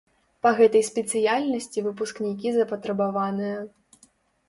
Па гэтай спецыяльнасці выпускнікі запатрабаваныя.